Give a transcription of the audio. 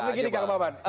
tapi gini kak kepapaan